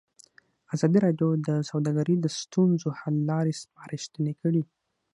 ازادي راډیو د سوداګري د ستونزو حل لارې سپارښتنې کړي.